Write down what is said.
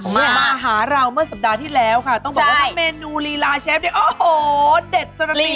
มาหาเราเมื่อสัปดาห์ที่แล้วค่ะต้องบอกว่าเมนูลีลาเชฟเนี่ยโอ้โหเด็ดสระตี